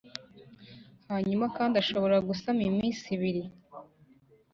hanyuma kandi ashobora gusama iminsi ibiri